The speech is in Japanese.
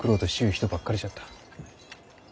人ばっかりじゃった。